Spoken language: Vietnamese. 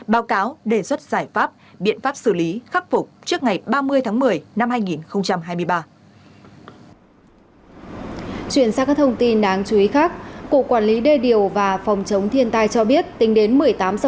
báo cáo đề xuất giải pháp biện pháp xử lý khắc phục trước ngày ba mươi tháng một mươi năm hai nghìn hai mươi ba